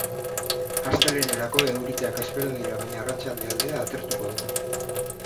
Astelehenerako euriteak espero dira baina arratsalde aldera atertuko du.